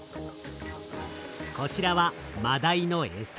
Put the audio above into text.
こちらはマダイのエサ。